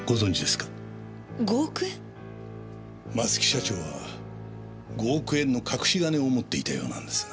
松木社長は５億円の隠し金を持っていたようなんですが。